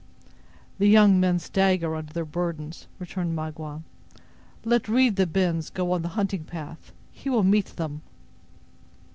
"The young men stagger under their burdens," returned Magua. "Let 'Reed that bends' go on the hunting path; he will meet them."